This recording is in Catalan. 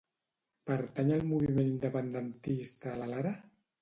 Pertany al moviment independentista la Lara?